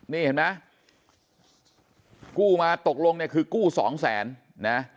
นี่เห็นไหมกู้มาตกลงเนี่ยคือกู้สองแสนนะ